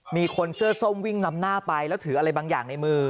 มีคนเสื้อส้มวิ่งนำหน้าไปแล้วถืออะไรบางอย่างในมือ